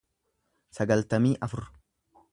sagaltamii afur